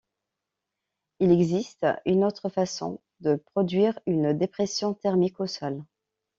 Il existe une autre façon de produire une dépression thermique au sol.